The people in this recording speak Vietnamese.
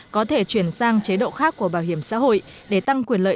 có thể chuyển sang chế độ khác của bảo hiểm xã hội để tăng quyền lợi